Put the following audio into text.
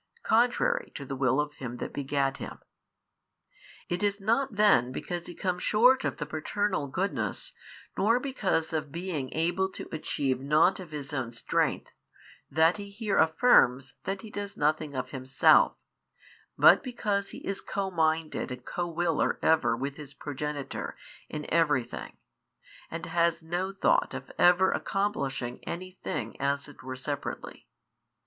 contrary to the Will of Him That begat Him. It is not then because He comes short of the Paternal Goodness, nor because of being able to achieve nought of His own Strength, that He here affirms that He does nothing of Himself, but because He is Co minded and Co willer ever with His Progenitor in every thing, and has no thought of ever accomplishing any thing as it were separately.